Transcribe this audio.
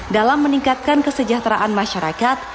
dalam meningkatkan kesejahteraan masyarakat